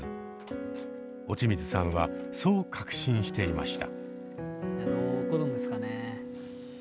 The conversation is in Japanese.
落水さんはそう確信していました。